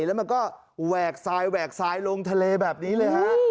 แล้วมันก็แหวกซ้ายลงทะเลแบบนี้เลย